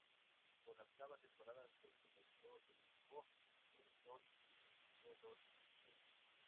Para la octava temporada se convirtió en el co-productor y escribió dos episodios.